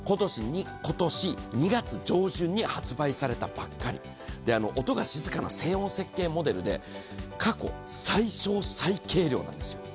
今年２月上旬に発売されたばっかり音が静かな静音設計モデルで過去最小・最軽量なんです。